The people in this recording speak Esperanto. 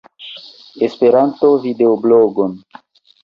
Esperanto-videoblogon